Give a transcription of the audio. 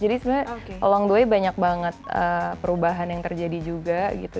jadi sebenarnya along the way banyak banget perubahan yang terjadi juga gitu